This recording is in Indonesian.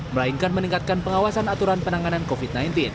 melainkan meningkatkan pengawasan aturan penanganan covid sembilan belas